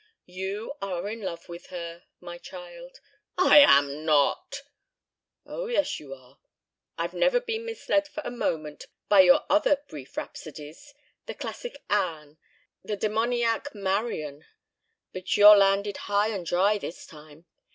"You are in love with her, my child." "I am not!" "Oh, yes, you are. I've never been misled for a moment by your other brief rhapsodies the classic Anne the demoniac Marian but you're landed high and dry this time.